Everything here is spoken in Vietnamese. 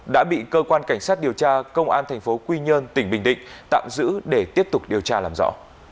đã bị cơ quan cảnh sát điều tra công an tp quy nhơn tỉnh bình định tạm giữ để tiếp tục điều tra làm rõ